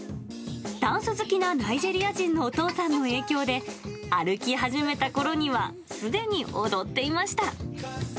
ダンス好きなナイジェリア人のお父さんの影響で歩き始めたころには、すでに踊っていました。